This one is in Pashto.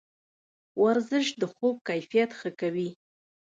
ورزش د خوب کیفیت ښه کوي.